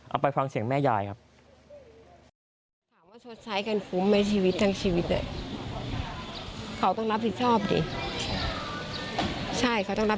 เอาไปฟังเสียงแม่ยายครับ